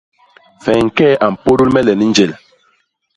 Feñkee a mpôdôl me len i njel.